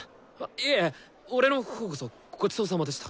いえ俺のほうこそごちそうさまでした！